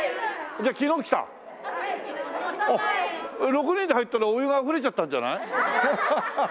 ６人で入ったらお湯があふれちゃったんじゃない？